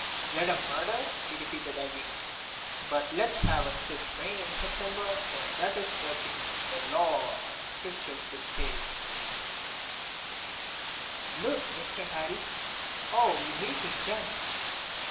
"Let 'em murder," he repeated again, "but don't let's 'ave sich rain in September, for that is agin the law and the Scriptures which says—" "Lud! Mr. 'Arry, 'ow you made me jump!"